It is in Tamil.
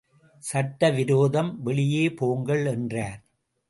சட்ட விரோதம், வெளியே போங்கள் என்றார்.